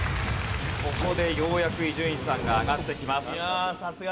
ここでようやく伊集院さんが上がってきます。